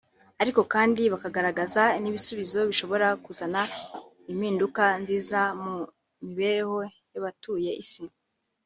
ariko kandi bakagaragaza n’ibisubizo bishobora kuzana impinduka nziza mu mibereho y’abatuye isi